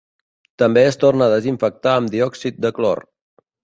També es torna a desinfectar amb diòxid de clor.